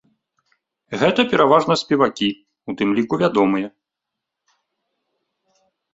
Гэта пераважна спевакі, у тым ліку вядомыя.